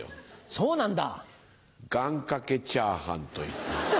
そうなんだ。